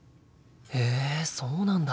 へえそうなんだ。